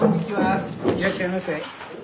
いらっしゃいませ。